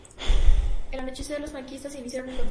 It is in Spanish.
El anochecer, los franquistas iniciaron el contraataque.